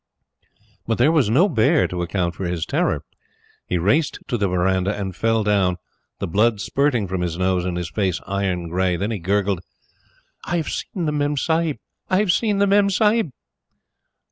But there was no bear to account for his terror. He raced to the verandah and fell down, the blood spurting from his nose and his face iron gray. Then he gurgled: "I have seen the Memsahib! I have seen the Memsahib!"